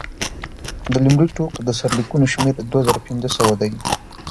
د لومړي ټوک د سرلیکونو شمېر دوه زره پنځه سوه دی.